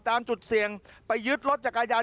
ตามจุดเสี่ยงไปยึดรถจักรยาน